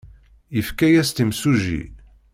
Yefka-as-tt imsujji.